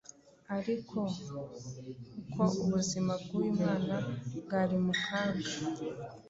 ariko kuko ubuzima bw'uyu mwana bwari mu kaga,